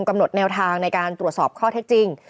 กำหนดแนวทางในการตรวจสอบข้อเท็จจริง